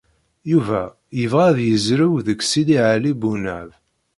Yuba yebɣa ad yezrew deg Sidi Ɛli Bunab.